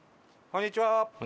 こんにちは！